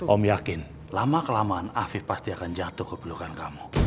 om yakin lama kelamaan afif pasti akan jatuh ke pelukan kamu